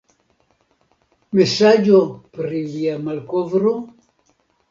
Mesaĝo pri via malkovro?